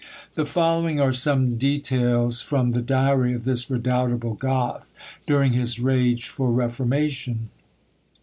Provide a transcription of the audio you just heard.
The following are some details from the diary of this redoubtable Goth, during his rage for reformation.